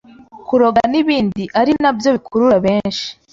kuroga n’ibindi ari nabyo bikurura benshi